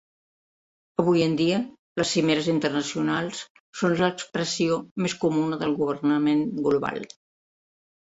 Avui en dia, les cimeres internacionals són l'expressió més comuna de governament global.